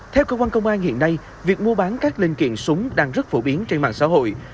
theo cơ quan công an hiện nay việc mua bán các linh kiện súng đang rất phổ biến trên mạng xã hội